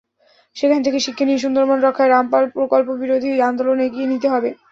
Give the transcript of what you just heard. সেখান থেকে শিক্ষা নিয়ে সুন্দরবন রক্ষায় রামপাল প্রকল্পবিরোধী আন্দোলন এগিয়ে নিতে হবে।